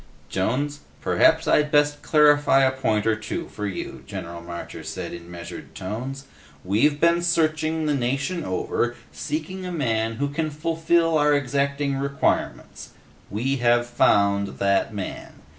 "Jones, perhaps I'd best clarify a point or two for you," General Marcher said in measured tones. "We've been searching the nation over, seeking a man who can fulfill our exacting requirements. We have found that man.